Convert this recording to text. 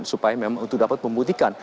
supaya memang untuk dapat membuktikan